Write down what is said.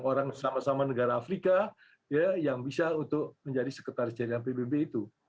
orang sama sama negara afrika yang bisa untuk menjadi sekretaris jaringan pbb itu